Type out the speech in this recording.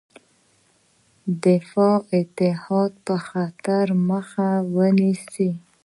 دفاعي اتحاد به خطر مخه ونیسي.